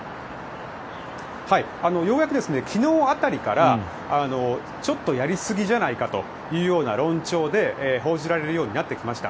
ようやく昨日辺りからちょっとやりすぎじゃないかというような論調で報じられるようになってきました。